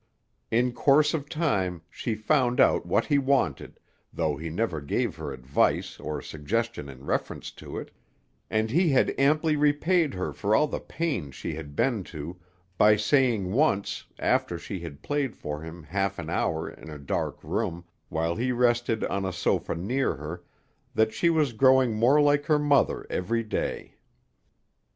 In course of time she found out what he wanted, though he never gave her advice or suggestion in reference to it; and he had amply repaid her for all the pains she had been to by saying once, after she had played for him half an hour in a dark room, while he rested on a sofa near her, that she was growing more like her mother every day.